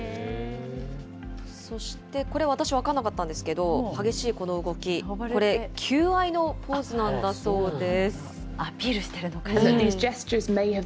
そしてこれ私、分かんなかったんですけど、激しいこの動き、これ、求愛のポーズなんだそうです。